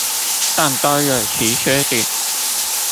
但都有其缺點